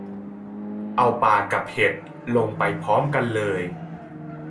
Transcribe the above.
เอาปลากับเห็ดลงไปพร้อมกันเลย